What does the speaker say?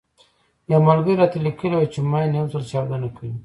يو ملګري راته ليکلي وو چې ماين يو ځل چاودنه کوي.